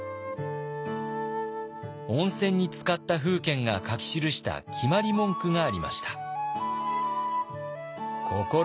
温泉につかった楓軒が書き記した決まり文句がありました。